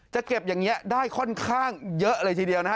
จะเก็บอย่างนี้ได้ค่อนข้างเยอะเลยทีเดียวนะฮะ